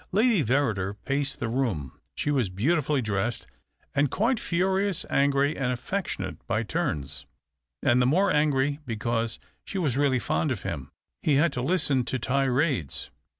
Lady Verrider paced the room. She was beautifully dressed and quite furious, angry and affectionate by turns, and the more angry because she was really fond of him. He had to listen to tirades.